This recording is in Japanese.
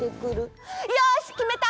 よしきめた！